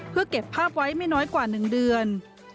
เพื่อเก็บภาพไว้ไม่น้อยกว่า๑เดือน